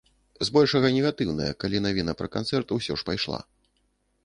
Збольшага негатыўная, калі навіна пра канцэрт усё ж пайшла.